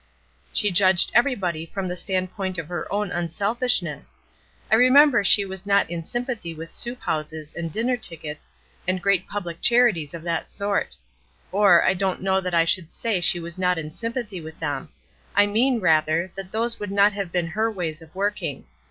"She judged everybody from the standpoint of her own unselfishness. I remember she was not in sympathy with soup houses, and dinner tickets, and great public charities of that sort. Or, I don't know that I should say she was not in sympathy with them. I mean, rather, that those would not have been her ways of working.